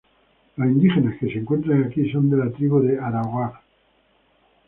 Los indígenas que se encuentran aquí son de la tribu de Arawak.